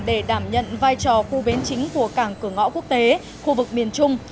để đảm nhận vai trò khu bến chính của cảng cửa ngõ quốc tế khu vực miền trung